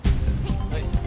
はい。